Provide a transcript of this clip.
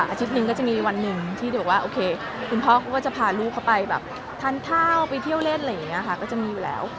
อาทิตย์หนึ่งก็จะมีวันหนึ่งที่บอกว่าโอเคคุณพ่อเขาก็จะพาลูกเขาไปแบบทานข้าวไปเที่ยวเล่นอะไรอย่างนี้ค่ะก็จะมีอยู่แล้ว